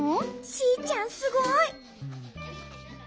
シーちゃんすごい。